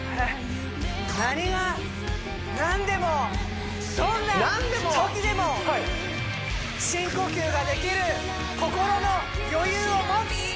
何がなんでもどんなときでも深呼吸ができる心の余裕を持つ！